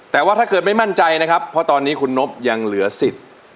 แต่ว่าถ้าเกิดไม่มั่นใจนะครับเพราะตอนนี้คุณนบยังเหลือสิทธิ์